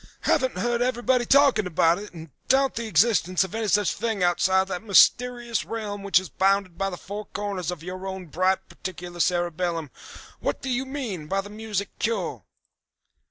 Haven't heard everybody talking about it, and doubt the existence of any such thing outside of that mysterious realm which is bounded by the four corners of your own bright particular cerebellum. What do you mean by the music cure?"